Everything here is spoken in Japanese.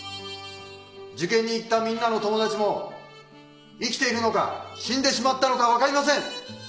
受験に行ったみんなの友達も生きているのか死んでしまったのか分かりません。